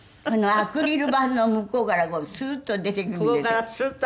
アクリル板の向こうからスーッと出てくるんですよ。